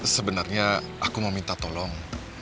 sebenarnya aku mau minta tolong